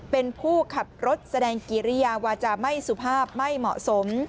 เป็นผู้ขับรถแสดงกิริยาวาจาไม่สุภาพไม่เหมาะสม